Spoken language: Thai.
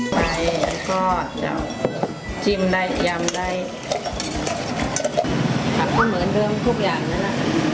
ไส้ก็จิ้มได้ยำได้กลับก็เหมือนเดิมทุกอย่างเนี่ยนะ